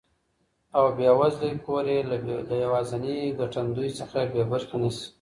او بې وزلی کور یې له یوازیني ګټندوی څخه بې برخي نه سي.